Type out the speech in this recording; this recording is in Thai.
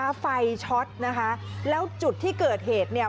ไฟช็อตนะคะแล้วจุดที่เกิดเหตุเนี่ย